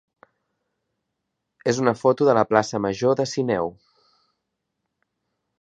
és una foto de la plaça major de Sineu.